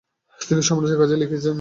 তিনি সম্রাটের কাছে লিখেছিলেন।